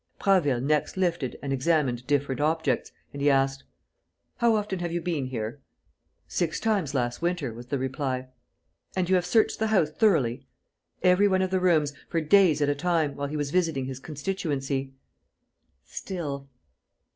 Prasville next lifted and examined different objects; and he asked: "How often have you been here?" "Six times last winter," was the reply. "And you have searched the house thoroughly?" "Every one of the rooms, for days at a time, while he was visiting his constituency." "Still